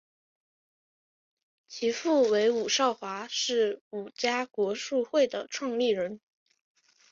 其父为伍绍华是伍家国术会的创立人。